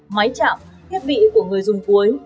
máy chạm thiết bị của người dùng cuối